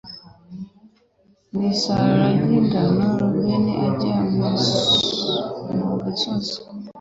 Mu isarura ry ingano Rubeni ajya mu gasozi